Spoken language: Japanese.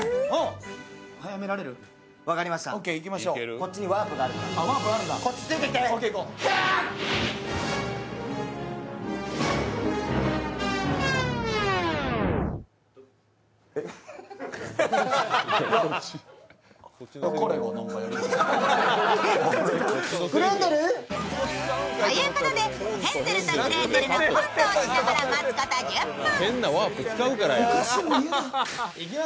その使い方はということで「ヘンゼルとグレーテル」のコントをしながら待つこと１０分。